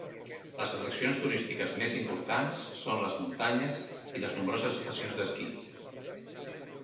Les atraccions turístiques més importants són les muntanyes i les nombroses estacions d'esquí.